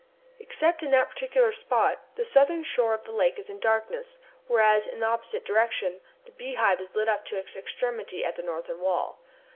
Except in that particular spot, the southern shore of the lake is in darkness, whereas, in the opposite direction, the Beehive is lit up to its extremity at the northern wall.